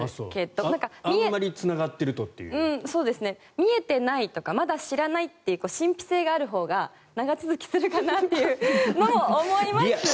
見えてないとかまだ知らないっていう神秘性があるほうが長続きするかなとも思います。